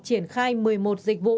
triển khai một mươi một dịch vụ